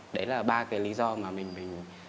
đấy là ba cái lý do mà mình